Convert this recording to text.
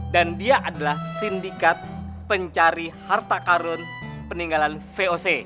dan dia adalah sindikat pencari harta karun peninggalan voc